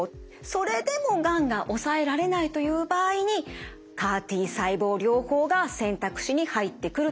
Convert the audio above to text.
それでもがんが抑えられないという場合にＣＡＲ−Ｔ細胞療法が選択肢に入ってくるといった流れなんです。